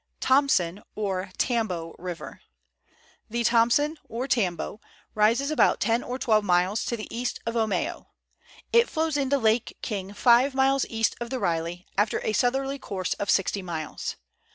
THOMSON, OR TAMBO RIVER. The Thomson, or Tambo, rises about ten or twelve miles to the eastward of Omeo. It flows into Lake King five miles east of the Riley, after a southerly course of sixty miles.